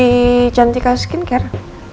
di jantika skincare